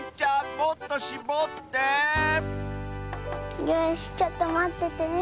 もっとしぼってよしちょっとまっててね。